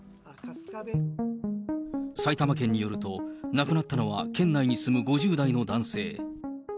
埼玉県によると、亡くなったのは、県内に住む５０代の男性。